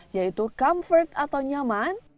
yaitu comfort atau nyaman